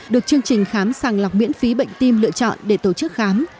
được chương trình khám sàng lọc miễn phí bệnh tim lựa chọn để tổ chức khám